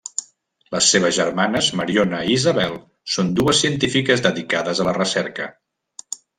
Les seves germanes Mariona i Isabel són dues científiques dedicades a la recerca.